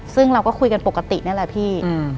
ซึ่งเราก็คุยกันปกตินี่แหละพี่